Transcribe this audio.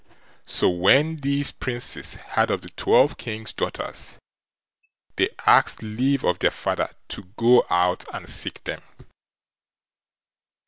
So when these Princes heard of the twelve king's daughters, they asked leave of their father to go out and seek them.